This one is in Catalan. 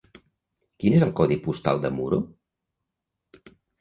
Quin és el codi postal de Muro?